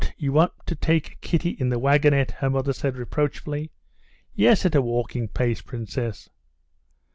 you want to take Kitty in the wagonette?" her mother said reproachfully. "Yes, at a walking pace, princess."